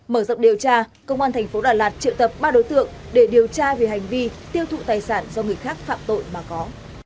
mở rộng điều tra công an tp đà lạt triệu tập ba đối tượng để điều tra về hành vi tiêu thụ tài sản do người khác phạm tội mà có